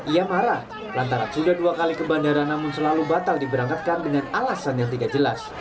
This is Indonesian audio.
ia marah lantaran sudah dua kali ke bandara namun selalu batal diberangkatkan dengan alasan yang tidak jelas